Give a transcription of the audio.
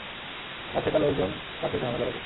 আজ সে তার লোকজন পাঠিয়ে ঝামেলা পাকিয়েছে।